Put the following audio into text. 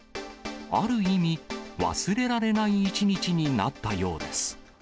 ある意味、忘れられない一日になったようです。